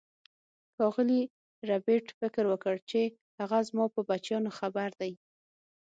ښاغلي ربیټ فکر وکړ چې هغه زما په بچیانو خبر دی